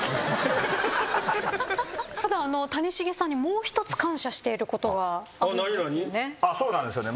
ただ谷繁さんにもう一つ感謝していることがあるんですよね？